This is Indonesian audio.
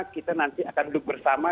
kita nanti akan duduk bersama